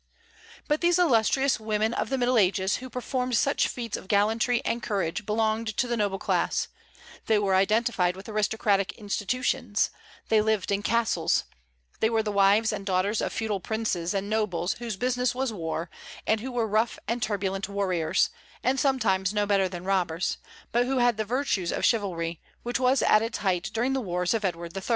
But these illustrious women of the Middle Ages who performed such feats of gallantry and courage belonged to the noble class; they were identified with aristocratic institutions; they lived in castles; they were the wives and daughters of feudal princes and nobles whose business was war, and who were rough and turbulent warriors, and sometimes no better than robbers, but who had the virtues of chivalry, which was at its height during the wars of Edward III.